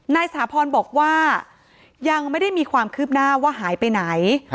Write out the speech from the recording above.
สถาพรบอกว่ายังไม่ได้มีความคืบหน้าว่าหายไปไหน